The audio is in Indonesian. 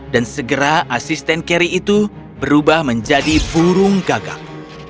dan segera asisten carrie itu berubah menjadi burung gagak